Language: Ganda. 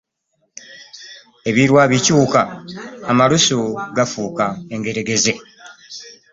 Ebirwa bikyuuka, amalusu gafuuka engeregeze .